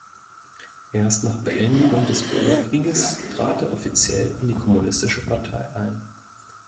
Erst nach Beendigung des Bürgerkrieges trat er offiziell in die Kommunistische Partei ein.